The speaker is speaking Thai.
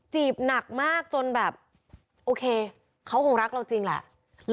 บหนักมากจนแบบโอเคเขาคงรักเราจริงแหละ